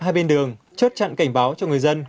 hai bên đường chốt chặn cảnh báo cho người dân